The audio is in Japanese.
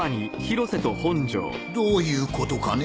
どういうことかね？